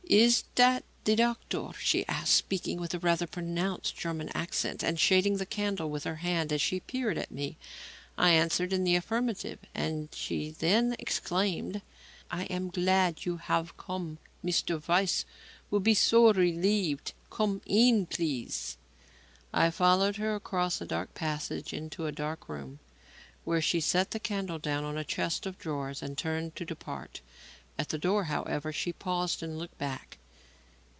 "Is that the doctor?" she asked, speaking with a rather pronounced German accent and shading the candle with her hand as she peered at me. I answered in the affirmative, and she then exclaimed: "I am glad you have come. Mr. Weiss will be so relieved. Come in, please." I followed her across a dark passage into a dark room, where she set the candle down on a chest of drawers and turned to depart. At the door, however, she paused and looked back.